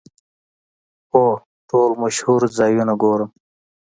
هو، ټول مشهور ځایونه ګورم